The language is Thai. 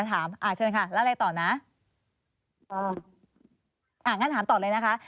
ถามอ่าเชิญค่ะแล้วอะไรต่อนะค่ะอ่างั้นถามต่อเลยนะคะ